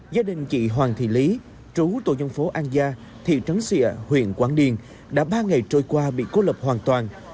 gia đình chị hoàng thị lý trú tổ dân phố an gia thị trấn xịa huyện quảng điền đã ba ngày trôi qua bị cô lập hoàn toàn